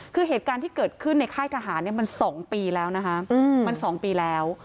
คือเหตุการณ์ที่เกิดขึ้นในค่ายทหารมัน๒ปีแล้ว